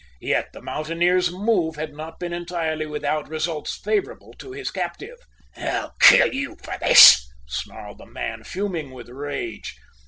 Yet the mountaineer's move had not been entirely without results favorable to his captive. "I'll kill you for this!" snarled the man, fuming with rage.